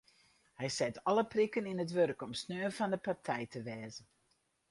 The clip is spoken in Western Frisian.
Hy set alle prikken yn it wurk om sneon fan de partij te wêze.